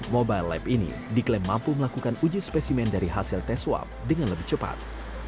mobile lab ini diklaim mampu melakukan uji spesimen dari hasil tes swab dengan lebih cepat